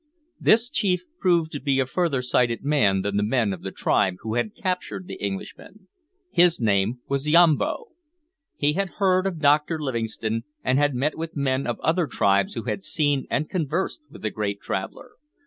This chief proved to be a further sighted man than the men of the tribe who had captured the Englishmen. His name was Yambo. He had heard of Dr Livingstone, and had met with men of other tribes who had seen and conversed with the great traveller.